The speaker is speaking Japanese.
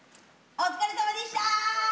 お疲れさまでした！